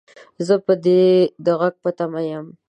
زه به دې د غږ په تمه يم